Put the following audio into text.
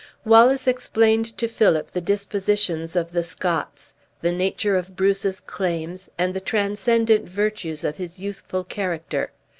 Wallace explained to Philip the dispositions of the Scots, the nature of Bruce's claims, and the transcendent virtues of his youthful character.